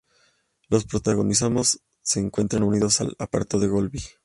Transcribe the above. Los proteoglicanos se encuentran unidos al aparato de golgi.